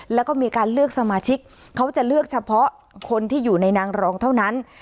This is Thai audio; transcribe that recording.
แล้วก็มีการเลือกสมาชิกเขาจะเลือกเฉพาะคนที่อยู่ในนางรองเท่านั้น